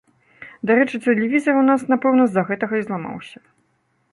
Дарэчы, тэлевізар у нас, напэўна, з-за гэтага і зламаўся.